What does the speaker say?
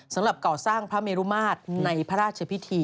สำหรับก่อสร้างพระเมรุมาตรในพระราชพิธี